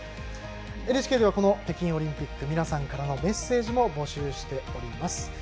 ＮＨＫでは北京オリンピック皆さんからのメッセージも募集しております。